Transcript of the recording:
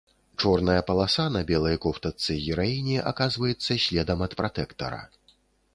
Чорная паласа на белай кофтачцы гераіні аказваецца следам ад пратэктара.